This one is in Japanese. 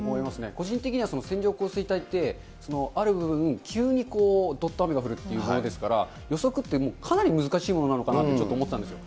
個人的には線状降水帯ってある部分、急にどっと雨が降るっていうものですから、予測ってもうかなり難しいものなのかなって、ちょっと思ってたんですよ。